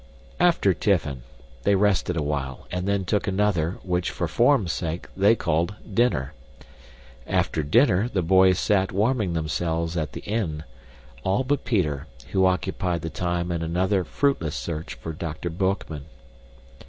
After tiffin, they rested awhile, and then took another, which, for form's sake, they called dinner. After dinner the boys sat warming themselves at the inn; all but Peter, who occupied the time in another fruitless search for Dr. Boekman.